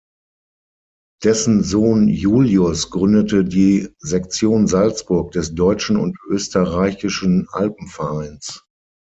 Dessen Sohn Julius gründete die „Sektion Salzburg des deutschen und österreichischen Alpenvereins“.